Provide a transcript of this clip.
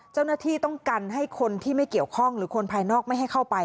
เจ้าหน้าที่ต้องกันให้คนที่ไม่เกี่ยวข้องหรือคนภายนอกไม่ให้เข้าไป